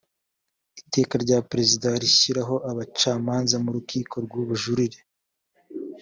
iteka rya perezida rishyiraho abacamanza mu rukiko rw ubujurire